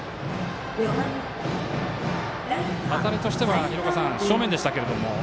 当たりとしては廣岡さん、正面でしたけど。